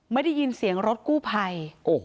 ไม่ได้ยินเสียงรถกู้ภัย